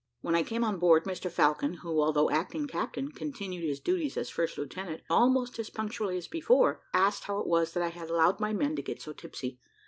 When I came on board, Mr Falcon, who, although acting captain, continued his duties as first lieutenant almost as punctually as before, asked how it was that I had allowed my men to get so tipsy.